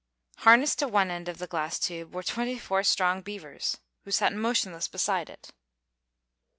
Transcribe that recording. Harnessed to one end of the glass tube were twenty four strong beavers, who sat motionless beside it.